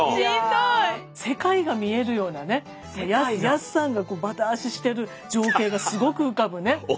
世界が見えるようなねやすさんがバタ足してる情景がすごく浮かぶね。